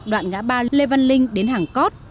đoạn ngã ba lê văn linh đến hàng cót